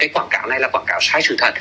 quảng cáo này là quảng cáo sai sự thật